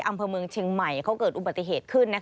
อำเภอเมืองเชียงใหม่เขาเกิดอุบัติเหตุขึ้น